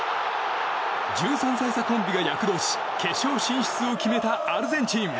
１３歳差コンビが躍動し決勝進出を決めたアルゼンチン。